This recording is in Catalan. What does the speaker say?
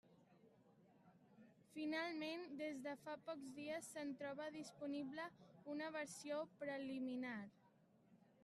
Finalment, des de fa pocs dies se'n troba disponible una versió preliminar.